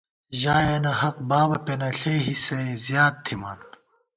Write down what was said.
ژایَنہ حق بابہ پېنہ ، ݪے حِصئے زیات تھِمان